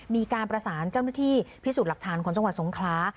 มีการประสานเจ้าหน้าที่พิสูจน์หลักฐานของจังหวัดสงครา